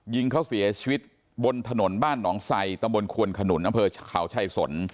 ยิงเขาเสียชีวิตบนถนนบ้านหนองไซตำบลควนขนุนอำเภอเขาชัยสน